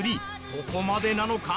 ここまでなのか？